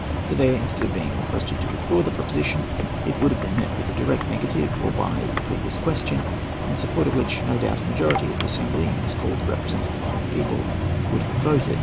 For there, instead of being requested to withdraw the proposition, it would have been met by a direct negative or by 'the previous question,' in support of which, no doubt, a majority of that assembly, miscalled the representatives of the people, would have voted.